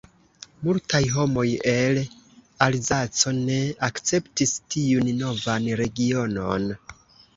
Multaj homoj el Alzaco ne akceptis tiun novan regionon.